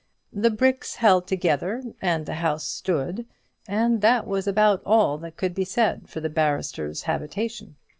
The bricks held together, and the house stood; and that was about all that could be said for the barrister's habitation.